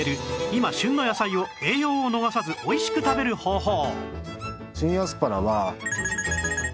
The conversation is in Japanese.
今旬の野菜を栄養を逃さずおいしく食べる方法